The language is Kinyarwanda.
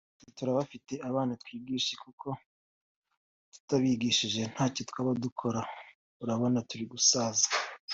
Ati “ Turabafite abana twigisha kuko tutabigishije ntacyo twaba dukora urabona turi gusaza